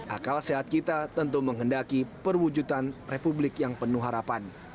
akal sehat kita tentu menghendaki perwujudan republik yang penuh harapan